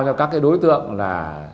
các cái đối tượng là